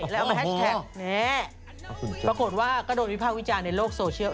แล้วมาแฮชแท็กปรากฏว่าก็โดนวิภาควิจารณ์ในโลกโซเชียล